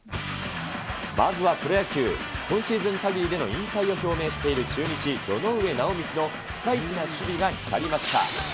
まずはプロ野球、今シーズン限りでの引退を表明している中日、堂上直倫のピカイチな守備が光りました。